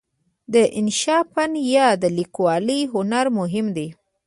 د انشأ فن یا د لیکوالۍ هنر مهم دی.